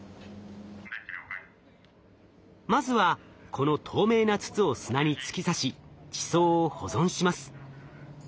まずはこの透明な筒を砂に突き刺し地層を保存します。